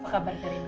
apa kabar terina